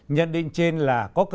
nhận định trên là có kết quả